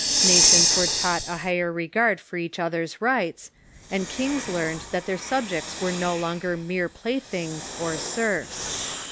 Nations were taught a higher regard for each other's rights, and kings learned that their subjects were no longer mere playthings or serfs.